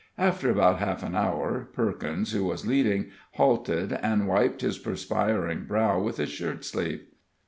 After about half an hour, Perkins, who was leading, halted, and wiped his perspiring brow with his shirt sleeve.